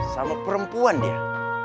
sama perempuan dia